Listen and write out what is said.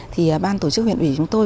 thì ban tổ chức huyện ủy chúng tôi